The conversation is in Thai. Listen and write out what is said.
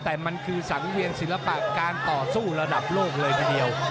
แต่มันคือสังเวียนศิลปะการต่อสู้ระดับโลกเลยทีเดียว